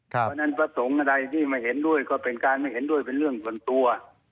เพราะฉะนั้นพระสงฆ์อะไรที่ไม่เห็นด้วยก็เป็นการไม่เห็นด้วยเป็นเรื่องส่วนตัว